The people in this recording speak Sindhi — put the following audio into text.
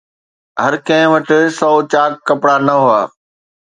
هر ڪنهن وٽ سؤ چاڪ ڪپڙا نه هئا